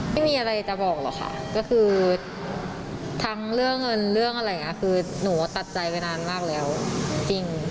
ไม่มีอะไรจะบอกหรอกค่ะก็คือทั้งเรื่องเงินเรื่องอะไรอย่างนี้คือหนูตัดใจไปนานมากแล้วจริง